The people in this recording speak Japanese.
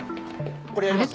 これやります？